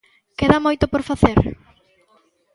¿Queda moito por facer?